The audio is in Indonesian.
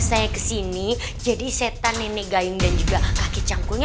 saya kesini jadi setan nenek gayung dan juga kakek